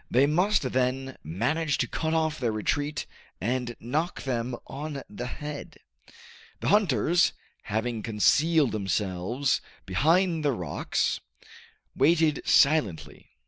They must then manage to cut off their retreat and knock them on the head. The hunters, having concealed themselves behind the rocks, waited silently.